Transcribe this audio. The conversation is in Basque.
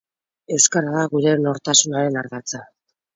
Euskara da gure nortasunaren ardatza.